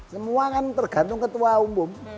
semua kan tergantung ketua umum